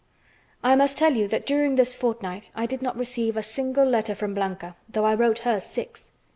I must tell you that during this fortnight I did not receive a single letter from Blanca, though I wrote her six.